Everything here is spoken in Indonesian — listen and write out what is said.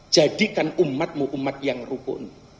jadikan umatmu umat yang rukun